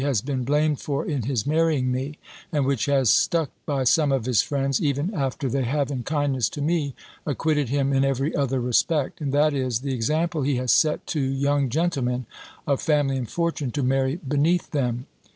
has been blamed for in his marrying me, and which has stuck by some of his friends, even after they have, in kindness to me, acquitted him in every other respect; and that is, the example he has set to young gentlemen of family and fortune to marry beneath them.